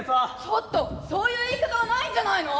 「ちょっとそういう言い方はないんじゃないの？」。